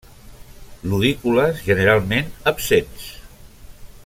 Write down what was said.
Lodícules generalment absents.